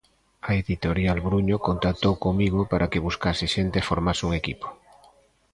A editorial Bruño contactou comigo para que buscase xente e formase un equipo.